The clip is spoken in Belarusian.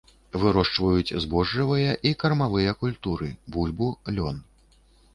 Вырошчваюць збожжавыя і кармавыя культуры, бульбу, лён.